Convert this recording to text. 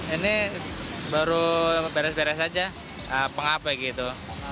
ini baru beres beres aja pengape gitu